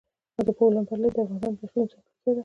د بولان پټي د افغانستان د اقلیم ځانګړتیا ده.